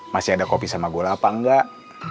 masih ada kopi sama gula apa enggak